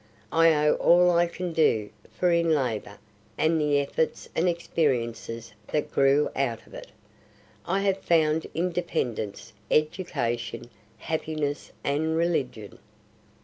I owe all I can do, for in labor, and the efforts and experiences that grew out of it, I have found independence, education, happiness, and religion."